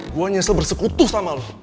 gua nyesel bersekutu sama lu